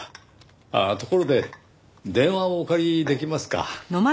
ああところで電話をお借りできますか？